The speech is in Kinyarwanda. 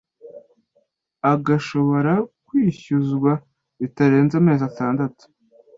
Agashobora kwishyuzwa bitarenze amezi atandatu